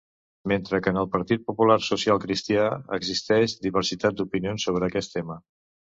Mentre que en el Partit Popular Social Cristià existeix diversitat d'opinions sobre aquest tema.